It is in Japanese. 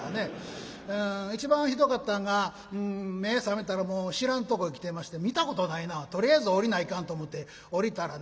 一番ひどかったんが目ぇ覚めたらもう知らんとこへ来てまして「見たことないなあとりあえず降りないかん」と思て降りたらね